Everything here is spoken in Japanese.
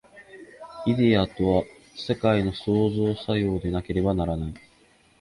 イデヤとは世界の創造作用でなければならない。